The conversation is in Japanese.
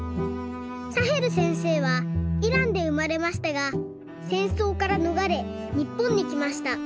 サヘルせんせいはイランでうまれましたがせんそうからのがれにっぽんにきました。